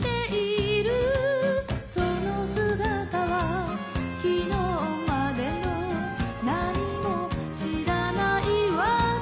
「その姿はきのうまでの何も知らない私」